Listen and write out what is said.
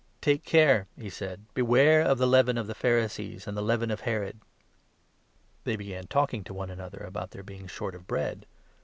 "Take care," he said, "beware of the leaven of the Phari sees and the leaven of Herod." They began talking to one another about their being short of bread.